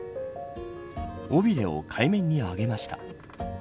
尾びれを海面に上げました。